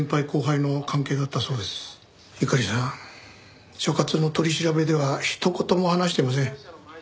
猪狩さん所轄の取り調べではひと言も話してません。